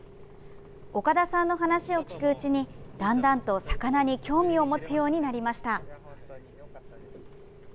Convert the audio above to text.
岡田さんの話を聞くうちにだんだんと魚に興味を持つようになりました。